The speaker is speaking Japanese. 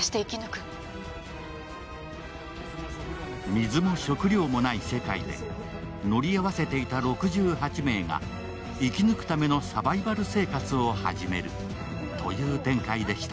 水も食料もない世界で乗り合わせていた６８名が生き抜くためのサバイバル生活を始めるという展開でした。